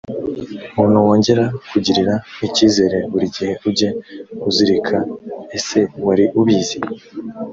muntu wongera kugirira icyizere buri gihe ujye uzirikaese wari ubizi